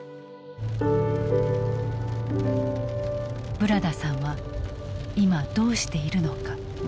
ブラダさんは今どうしているのか。